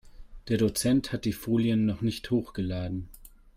Der Dozent hat die Folien noch nicht hochgeladen.